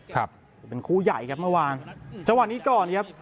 ครับเป็นคู่ใหญ่ครับเมื่อวานจังหวะนี้ก่อนครับ